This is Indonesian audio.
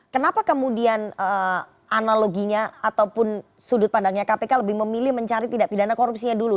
kenapa kemudian analoginya ataupun sudut pandangnya kpk lebih memilih mencari tidak pidana korupsinya dulu